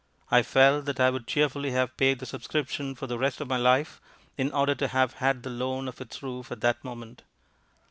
I felt that I would cheerfully have paid the subscription for the rest of my life in order to have had the loan of its roof at that moment.